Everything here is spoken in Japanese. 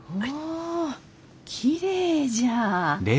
あきれいじゃ。